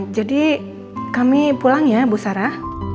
jadi kami pulang ya bu sarah